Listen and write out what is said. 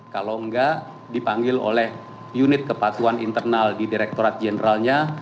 kalau enggak dipanggil oleh unit kepatuhan internal di direktorat jeneralnya